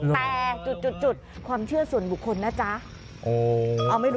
แต่จุดความเชื่อส่วนบุคคลนะจ๊ะ